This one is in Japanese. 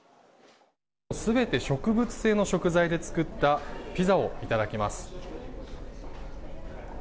全て植物性の食材で作ったピザをいただきます。